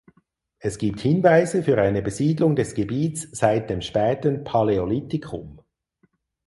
Es gibt Hinweise für eine Besiedlung des Gebiets seit dem späten Paläolithikum.